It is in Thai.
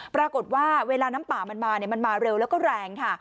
ปรากฏว่าเวลาน้ำปลามันมาเนี่ยมันมาเร็วแล้วก็แรงค่ะ